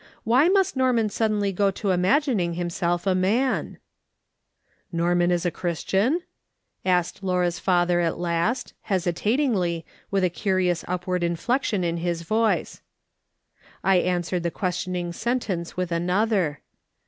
Why must Norman suddenly go to imagining himself a man ? "Norman is a Christian ?" said Laura's father at 254 MRS. SOLOMON SMITH LOOKING ON. last, hesitatingly, with a curious upward inflection in his voice. I answered the questioning sentence with another